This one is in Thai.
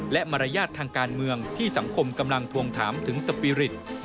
และมารยาททางการเมืองที่สังคมกำลังทวงถามถึงสปีริต